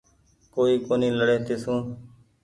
ڪوئي ڪونيٚ لهڙي تيسون